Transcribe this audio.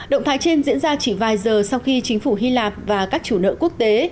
động thái trên diễn ra chỉ vài giờ sau khi chính phủ hy lạp và các chủ nợ quốc tế